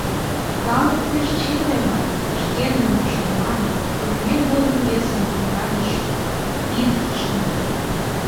Калык пеш чын ойла: шкендым ушанлан ужмет годым весым орадыш ит шынде.